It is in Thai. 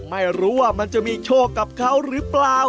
ไม่รู้ว่ามันจะมีโชคกับเขาหรือเปล่า